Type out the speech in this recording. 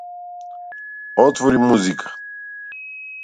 Отвори Музика.